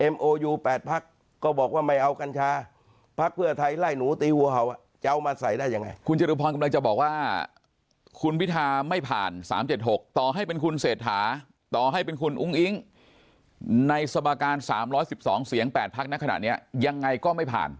ในสบาการ๓๑๒เสียง๘ภักดิ์ณขนาดนี้ยังไงก็ไม่ผ่าน